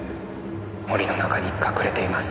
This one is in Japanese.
森の中に隠れています。